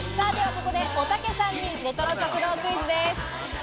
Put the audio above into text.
ここで、おたけさんにレトロ食堂クイズです。